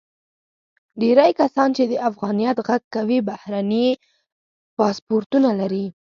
ډیری کسان چې د افغانیت غږ کوي، بهرني پاسپورتونه لري.